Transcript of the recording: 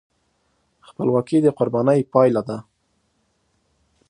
خپلواکي د قربانۍ پایله ده.